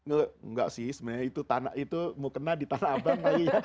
enggak sih sebenarnya itu mau kena di tanah abang lagi ya